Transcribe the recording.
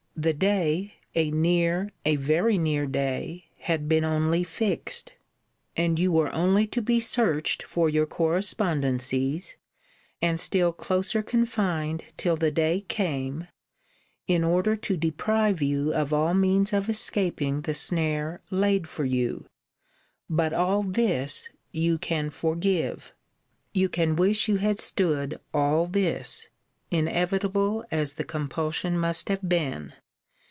The day, a near, a very near day, had been only fixed! And you were only to be searched for your correspondencies, and still closer confined till the day came, in order to deprive you of all means of escaping the snare laid for you! But all this you can forgive! You can wish you had stood all this; inevitable as the compulsion must have been!